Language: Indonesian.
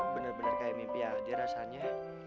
bener bener kayak mimpi yang ada rasanya